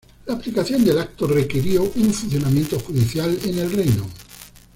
La aplicación del acto requirió un funcionamiento judicial en el reino.